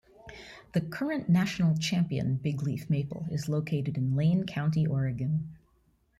The current national champion bigleaf maple is located in Lane County, Oregon.